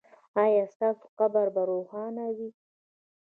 ایا ستاسو قبر به روښانه وي؟